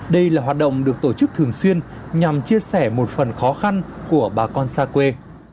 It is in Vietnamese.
đây là hoạt động được tổ chức thường xuyên nhằm chia sẻ một phần khó khăn của bà con xa quê